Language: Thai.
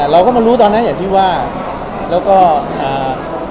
เราก็มารู้ตอนนั้นอย่างที่ว่า